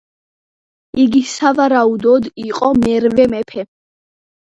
იგი სავარაუდოდ იყო მერვე მეფე.